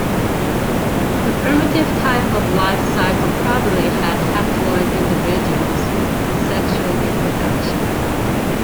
The primitive type of life cycle probably had haploid individuals with asexual reproduction.